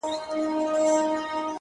• نه له خلوته څخه شېخ, نه له مغانه خیام,